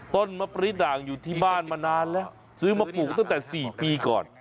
ต้นมะปรี๊ดด่างอยู่ที่บ้านมานานแล้วซื้อมาปลูกตั้งแต่๔ปีก่อน